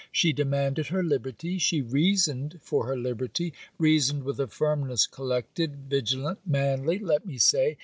She demanded her liberty. She reasoned for her liberty; reasoned with a firmness collected, vigilant, manly, let me say.